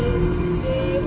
ketika kita berdua berdua